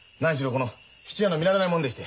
この質屋の見習いなもんでして。